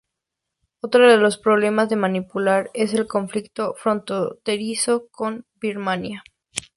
Otro de los problemas de Manipur es el conflicto fronterizo con Birmania.